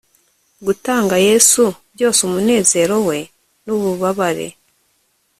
Gutanga Yesu byose umunezero we nububabare